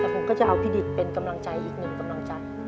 ผมก็จะเอาพี่ดิตเป็นกำลังใจอีกหนึ่งกำลังใจ